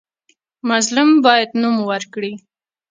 مظلوم باید نوم ورکړي.